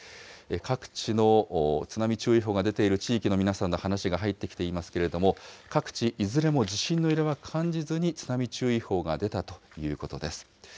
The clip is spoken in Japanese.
各地の津波注意報が出ている地域の皆さんの話が入ってきていますけれども、各地、いずれも地震の揺れは感じずに、津波注意報が出たということです。